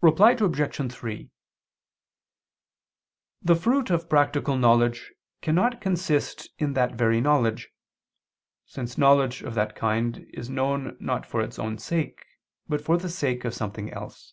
Reply Obj. 3: The fruit of practical knowledge cannot consist in that very knowledge, since knowledge of that kind is known not for its own sake, but for the sake of something else.